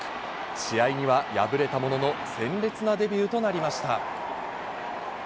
試合には敗れたものの、鮮烈なデビューとなりました。